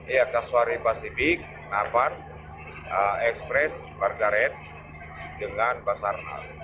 ya kaswari pasifik napan ekspres margaret dengan basarnal